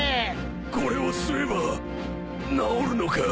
これを吸えば治るのか！？